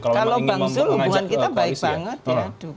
kalau bang zul hubungan kita baik banget ya